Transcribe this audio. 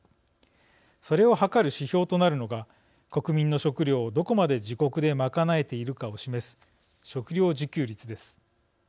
それを測る指標となるのが国民の食料を、どこまで自国で賄えているかを示す食料自給率です。